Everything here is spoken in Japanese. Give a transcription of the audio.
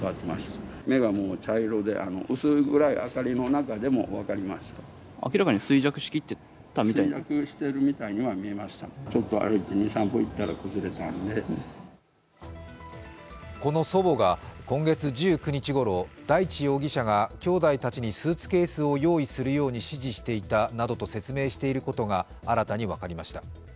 祖母を保護し、警察に通報した男性はこの祖母が、今月１９日ごろ大地容疑者がきょうだいたちにスーツケースを用意するように指示していたなどと説明していることが新たに分かりました。